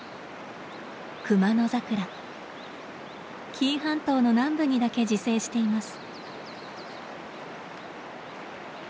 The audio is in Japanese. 紀伊半島の南部にだけ自生しています。